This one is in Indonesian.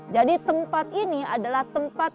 tempat ini adalah tempat